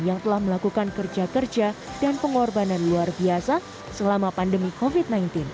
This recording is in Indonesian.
yang telah melakukan kerja kerja dan pengorbanan luar biasa selama pandemi covid sembilan belas